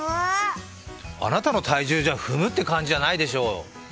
あなたの体重じゃ、踏むって感じじゃないでしょう。